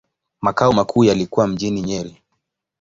Makao makuu yalikuwa mjini Nyeri.